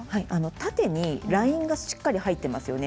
縦にラインがしっかり入っていますよね。